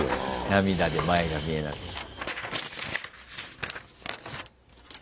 涙で前が見えなくなる。